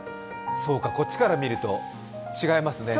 そうか、こっちから見ると違いますね。